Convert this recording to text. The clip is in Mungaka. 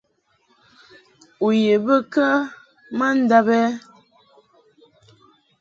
U ye bə kə ma ndab ɛ ?